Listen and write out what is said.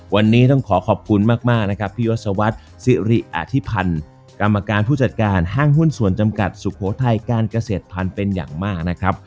วันนี้ต้องขอขอบคุณมากนะครับพี่ยศวรรษิริอธิพันธ์กรรมการผู้จัดการห้างหุ้นส่วนจำกัดสุโขทัยการเกษตรพันธุ์เป็นอย่างมากนะครับ